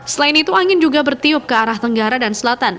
selain itu angin juga bertiup ke arah tenggara dan selatan